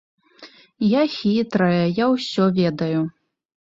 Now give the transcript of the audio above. Я хітрая, я ўсё ведаю.